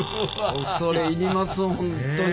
恐れ入ります本当に。